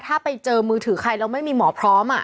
ถ้าไปเจอมือถือใครแล้วไม่มีหมอพร้อม